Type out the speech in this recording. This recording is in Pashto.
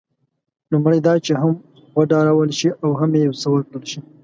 لومړی دا چې هم وډارول شي او هم یو څه ورکړل شي.